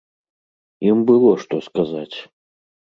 Ім было што сказаць.